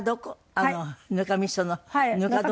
ぬかみそのぬか床。